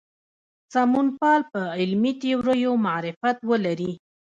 سمونپال په علمي تیوریو معرفت ولري.